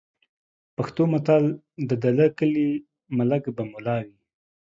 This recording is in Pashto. پښتو متل: "د دله کلي ملک به مُلا وي"